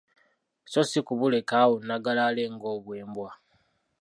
So si kubulekaawo nnagalaale ng‘obwembwa.